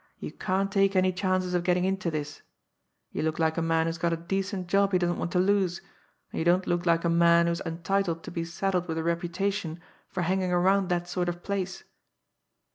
You can't take any chances of getting into this you look like a man who's got a decent job he doesn't want to lose, and you don't look like a man who is entitled to be saddled with a reputation for hanging around that sort of place.